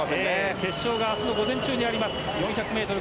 決勝が明日の午前中になります。